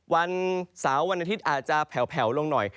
สิงหาวศาลวันนาทิตอาจจะแผลวลงหน่อย